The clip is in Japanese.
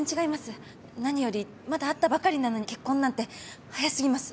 何よりまだ会ったばかりなのに結婚なんて早すぎます。